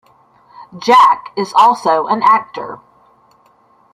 Jack is also an actor.